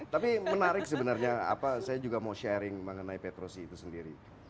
tapi menarik sebenarnya apa saya juga mau sharing mengenai petrosi itu sendiri